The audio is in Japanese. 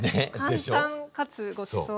簡単かつごちそう。